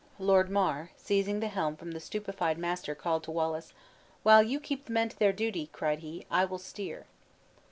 Lord Mar, seizing the helm from the stupefied master, called to Wallace, "While you keep the men to their duty," cried he, "I will steer."